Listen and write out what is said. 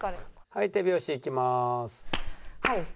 「はい手拍子いきます」。